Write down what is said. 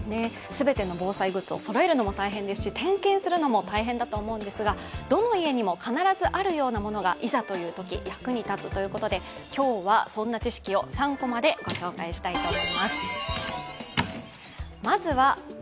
全ての防災グッズをそろえるのも大変ですし点検するのも大変だと思うんですが、どの家にも必ずあるようなものがいざというとき役に立つということで今日はそんな知識を３コマでご紹介したいと思います。